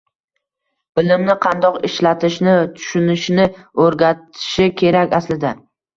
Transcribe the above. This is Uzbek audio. Bilimni qandoq ishlatishni, tushunishni o‘rgatishi kerak aslida.